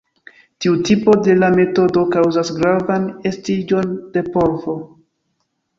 Tiu tipo de la metodo kaŭzas gravan estiĝon de polvo.